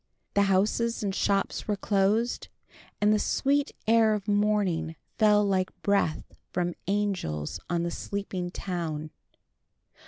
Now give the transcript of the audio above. The houses and shops were closed, and the sweet air of morning fell like breath from angels on the sleeping town.